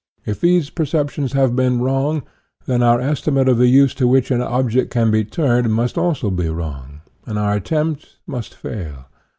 If these perceptions have been wrong, then our estimate of the use to which an object can be turned must also be wrong, and our attempt must fail.